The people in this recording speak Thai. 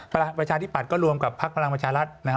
ประชาธิบัตรก็รวมกับพ๒๗พเพราะน่ะ